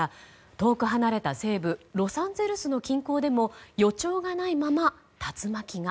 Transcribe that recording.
遠く離れた西部ロサンゼルスの近郊でも予兆がないまま竜巻が。